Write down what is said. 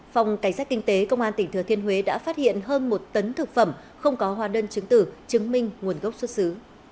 phòng cảnh sát kinh tế công an tỉnh thừa thiên huế đã phát hiện hơn một tấn thực phẩm không có hóa đơn chứng tử chứng minh nguồn gốc xuất xứ